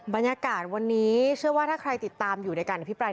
บรรยากาศวันนี้เชื่อว่าถ้าใครติดตามอยู่ในการอภิปราย